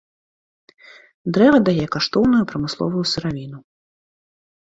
Дрэва дае каштоўную прамысловую сыравіну.